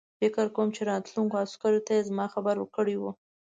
فکر کوم چې راتلونکو عسکرو ته یې زما خبر ورکړی وو.